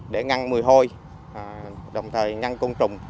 để ngăn mùi hôi đồng thời ngăn côn trùng